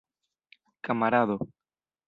kamarado